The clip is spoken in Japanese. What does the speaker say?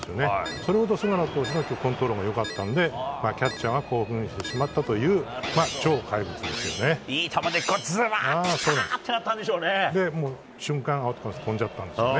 それほど菅野投手のコントロールが良かったので、キャッチャーが興奮してしまったといういい球がきた！ってなったんでしょうね。